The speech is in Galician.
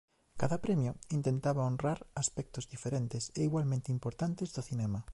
Cada premio intentaba honrar aspectos diferentes e igualmente importantes do cinema.